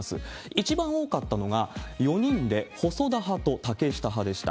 一番多かったのが４人で、細田派と竹下派でした。